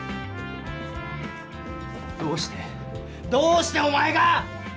どうしてどうしておまえが！